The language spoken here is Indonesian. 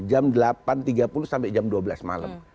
jam delapan tiga puluh sampai jam dua belas malam